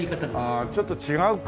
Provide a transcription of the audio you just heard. ああちょっと違うか。